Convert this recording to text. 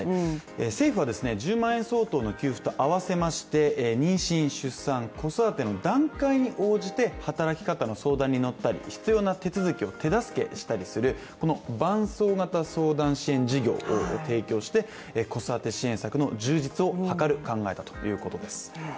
政府は１０万円相当の給付と合わせまして妊娠、出産、子育ての段階に応じて、働き方の相談にのったり必要な手続きを手助けしたりする、伴走型相談支援事業を提供して子育て支援策の充実を図る考えだということです。